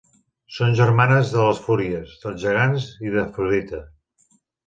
Són germanes de les Fúries, dels gegants i d'Afrodita.